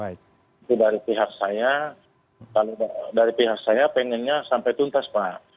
itu dari pihak saya kalau dari pihak saya pengennya sampai tuntas pak